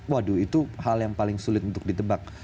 waduh itu hal yang paling sulit untuk ditebak